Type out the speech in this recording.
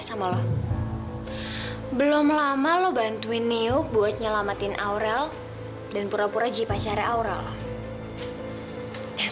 sampai jumpa di video selanjutnya